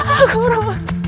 aku berumur sepuluh tahun